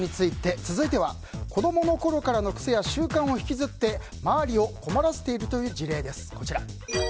続いては、子供のころからの癖や習慣を引きずって周りを困らせているという事例です。